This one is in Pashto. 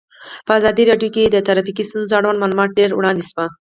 په ازادي راډیو کې د ټرافیکي ستونزې اړوند معلومات ډېر وړاندې شوي.